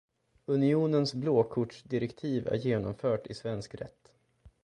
Unionens blåkortsdirektiv är genomfört i svensk rätt.